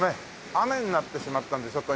雨になってしまったんでちょっと